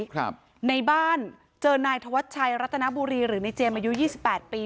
ครับในบ้านเจอนายธวัชชัยรัตนบุรีหรือในเจมสอายุยี่สิบแปดปี